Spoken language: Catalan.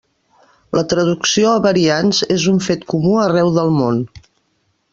La traducció a variants és un fet comú arreu del món.